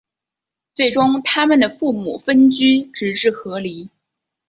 最终他们的父母分居直至和离。